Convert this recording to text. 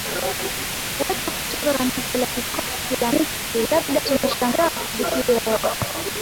wote kutoka Kanisa la Kikopti la Misri Labda tumeshangaa kusikia ya